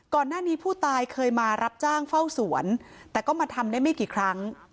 ก่อนหน้านี้ผู้ตายเคยมารับจ้างเฝ้าสวนแต่ก็มาทำได้ไม่กี่ครั้ง